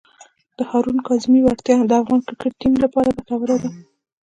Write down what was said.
د هارون کاظمي وړتیا د افغان کرکټ ټیم لپاره ګټوره ده.